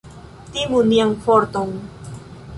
Timu nian forton!